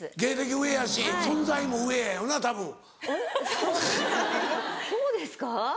そそうですか？